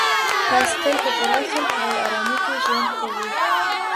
تاسي تل په پوره صلح او ارامۍ کي ژوند کوئ.